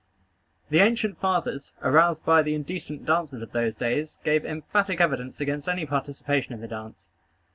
The ancient fathers, aroused by the indecent dances of those days, gave emphatic evidence against any participation in the dance.